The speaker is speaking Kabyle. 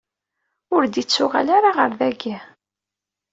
Ur d-ittuɣal ara ɣer dagi.